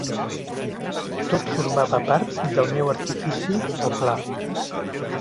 Tot formava part del meu artifici o pla.